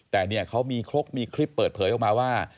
แต่เนี่ยเขามีครกมีคลิปเปิดเผยออกมาว่า